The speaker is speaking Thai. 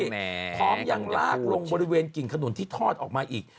พร้อมยังลากลงบริเวณกิ่งขนุนที่ทอดออกมาอีก